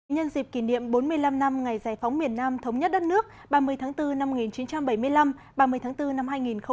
nhân dịp kỷ niệm bốn mươi năm năm ngày giải phóng miền nam thống nhất đất nước ba mươi tháng bốn năm một nghìn chín trăm bảy mươi năm ba mươi tháng bốn năm hai nghìn hai mươi